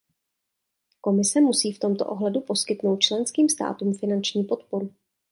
Komise musí v tomto ohledu poskytnout členským státům finanční podporu.